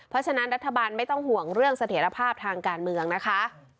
เพราะฉะนั้นรัฐบาลไม่ต้องห่วงเรื่องเสถียรภาพทางการเมืองนะคะ